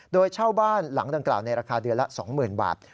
โดยเช่าบ้านหลังดังกล่าวในราคาเดือนละ๒๐๐๐บาท